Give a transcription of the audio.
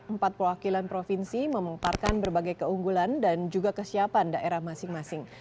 empat perwakilan provinsi memanfaatkan berbagai keunggulan dan juga kesiapan daerah masing masing